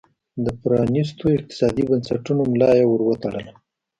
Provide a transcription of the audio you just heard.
د پرانیستو اقتصادي بنسټونو ملا یې ور وتړله.